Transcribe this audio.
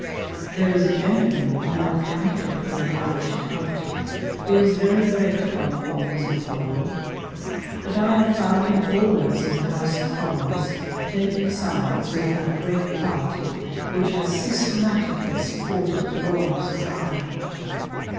There is a gentleman, now a candidate for an Irish county, who is very great upon the wrongs of Poland; but I have found him always in the House of Commons taking sides with that great party which has systematically supported the wrongs of Ireland.